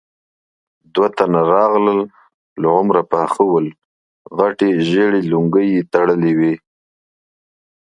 دوه تنه راغلل، له عمره پاخه ول، غټې ژېړې لونګۍ يې تړلې وې.